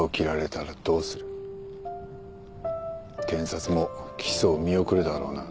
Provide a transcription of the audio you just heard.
検察も起訴を見送るだろうな。